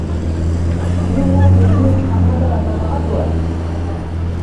Били уол бөлүүн ханна да барбатаҕа дуо